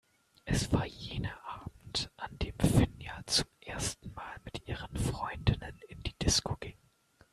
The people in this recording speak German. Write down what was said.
Es war jener Abend, an dem Finja zum ersten Mal mit ihren Freundinnen in die Disco ging.